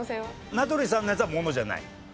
名取さんのやつは物じゃない？